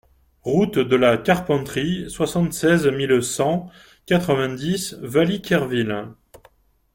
Route de la Carpenterie, soixante-seize mille cent quatre-vingt-dix Valliquerville